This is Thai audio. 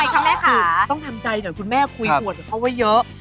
คือต้องทำใจหน่อยคุณแม่คุยกว่าเขาว่าเยอะ